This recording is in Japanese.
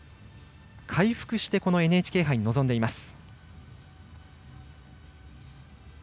回復してＮＨＫ杯に臨んでいます。